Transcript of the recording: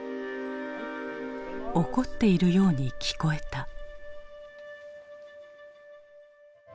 怒っているように聞こえた。